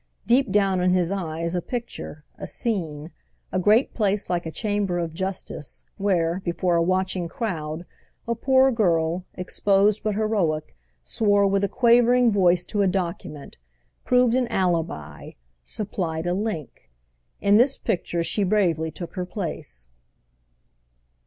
Deep down in his eyes a picture, a scene—a great place like a chamber of justice, where, before a watching crowd, a poor girl, exposed but heroic, swore with a quavering voice to a document, proved an alibi, supplied a link. In this picture she bravely took her place.